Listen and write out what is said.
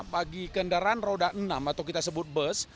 bagi kendaraan roda enam atau kita sebut bus